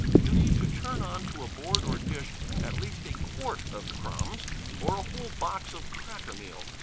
You need to turn on to a board or dish at least a quart of crumbs, or a whole box of cracker meal.